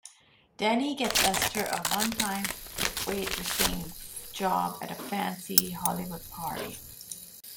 Danny gets Esther a one-time waitressing job at a fancy Hollywood party.